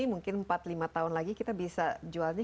mungkin empat lima tahun lagi kita bisa jualnya